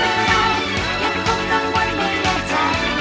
อาจคิดเผื่อรักยังคงกระวังไว้หยาดใจ